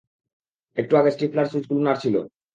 একটু আগে স্টিফলার সুইচগুলো নাড়ছিলো।